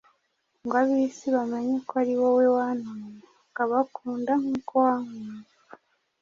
ngo ab’isi bamenye ko ari wowe wantumye, ukabakunda nk’uko wankunze.”